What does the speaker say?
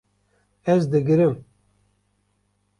Ez digirim